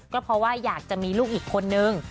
ก็เพราะว่าอยากจะมีลูกอีกคนนึง